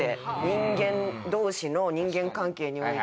人間同士の人間関係において。